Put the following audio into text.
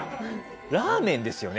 ラーメンですよね？